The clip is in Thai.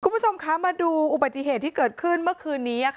คุณผู้ชมคะมาดูอุบัติเหตุที่เกิดขึ้นเมื่อคืนนี้